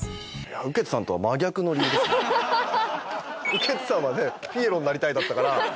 雨穴さんは「ピエロになりたい」だったから。